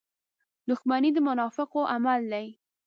• دښمني د منافقانو عمل دی.